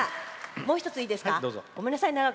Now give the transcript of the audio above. もう一つ、いいですか。